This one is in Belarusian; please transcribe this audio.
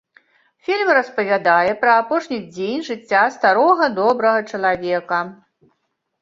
Фільм распавядае пра апошні дзень жыцця старога добрага чалавека.